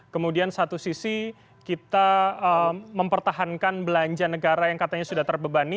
kemudian satu sisi kita mempertahankan belanja negara yang katanya sudah terbebani